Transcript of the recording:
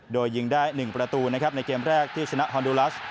โดยยิงได้หนึ่งประตูในเกมแรกที่ชนะฮอนดูลัส